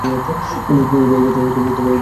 তবে এই জাতীয় সম্ভাবনা খুবই কম।